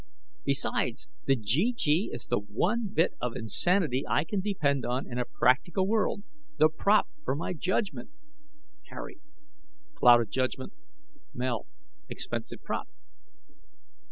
Besides, the GG is the one bit of insanity I can depend on in a practical world, the prop for my judgment " Harry: "Clouded judgment." Mel: "Expensive prop."